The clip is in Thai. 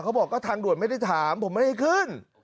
บอกว่าทางด่วนไม่ได้ถามผมไม่ได้ขึ้น